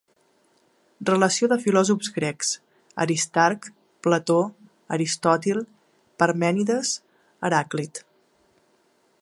Relació de filòsofs grecs: Aristarc, Plató, Aristòtil, Parmènides, Heràclit